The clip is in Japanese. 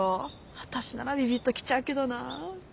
私ならビビッと来ちゃうけどなぁ。